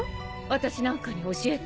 私なんかに教えて。